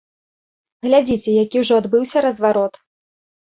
Глядзіце, які ўжо адбыўся разварот!